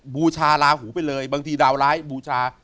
บูชาลาหูไปเลยบางทีดาวร้ายบูชา